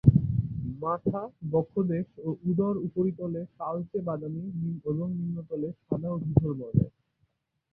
মাথা, বক্ষদেশ ও উদর উপরিতলে কালচে বাদামি এবং নিম্নতলে সাদা ও ধূসর বর্নের।